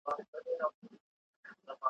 له مستیه پر دوو سرو پښو سوه ولاړه `